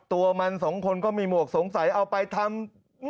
ตัวมันสองคนก็มีหมวกสงสัยเอาไปทำ